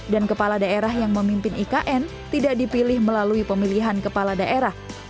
dan kepala daerah yang memimpin ikn tidak dipilih melalui pemilihan kepala daerah